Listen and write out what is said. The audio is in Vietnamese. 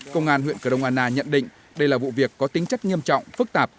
công an huyện cờ rông anna nhận định đây là vụ việc có tính chất nghiêm trọng phức tạp